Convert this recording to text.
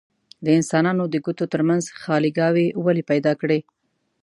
د انسانانو د ګوتو ترمنځ خاليګاوې ولې پیدا کړي؟